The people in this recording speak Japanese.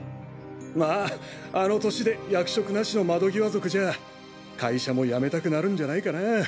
まああの年で役職なしの窓際族じゃ会社も辞めたくなるんじゃないかな。